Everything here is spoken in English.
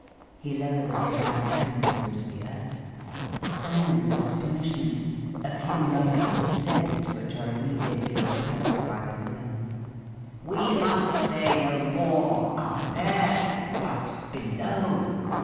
(_He lowers his right hand towards the earth.... Signs of astonishment: a few murmurs of dissent which are immediately repressed by the women_.) We must say no more: 'Up there!' but, 'below!'